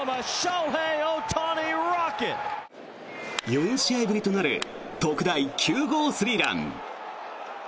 ４試合ぶりとなる特大９号スリーラン。